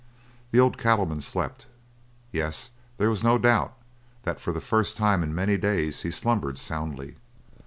The old cattleman slept. Yes, there was no doubt that for the first time in many days he slumbered soundly.